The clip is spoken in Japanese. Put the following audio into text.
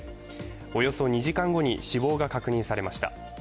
およそ２時間後に死亡が確認されました。